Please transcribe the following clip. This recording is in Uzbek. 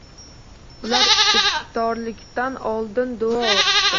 Ular iftorlikdan oldin duo o`qishdi